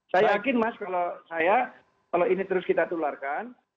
saya yakin mas kalau ini terus kita tularkan